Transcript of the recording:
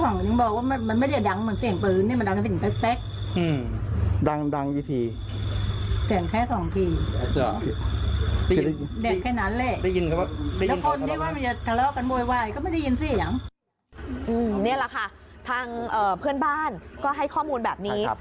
นี่แหละค่ะทางเพื่อนบ้านก็ให้ข้อมูลแบบนี้